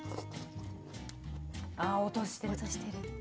ああ音してる。